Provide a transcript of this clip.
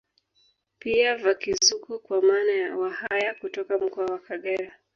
Pia Vakizungo kwa maana ya Wahaya kutoka mkoa wa Kagera